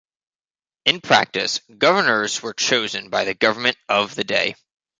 In practice, governors were chosen by the government of the day.